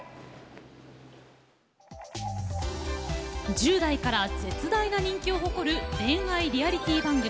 １０代から絶大な人気を誇る恋愛リアリティー番組。